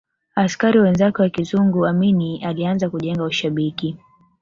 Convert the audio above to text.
askari wenzake wa kizungu Amin alianza kujenga ushabiki